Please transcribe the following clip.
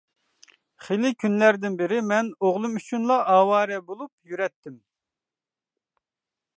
خىلى كۈنلەردىن بىرى مەن ئوغلۇم ئۈچۈنلا ئاۋارە بولۇپ يۈرەتتىم.